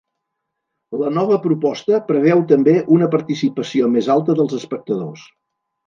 La nova proposta preveu també una participació més alta dels espectadors.